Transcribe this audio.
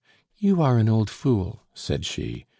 "You are an old fool!" said she.